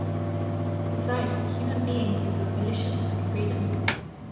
Besides human being is of volition and freedom.